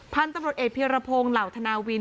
พันธุ์ตำรวจเอกเพียรพงศ์เหล่าธนาวิน